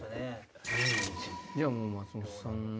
じゃあもう松本さんが。